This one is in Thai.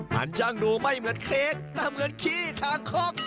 มันช่างดูไม่เหมือนเค้กแต่เหมือนขี้คางคก